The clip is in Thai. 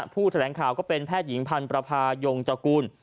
แถลงข่าวก็เป็นแพทย์หญิงพันธ์ประพายงจกูล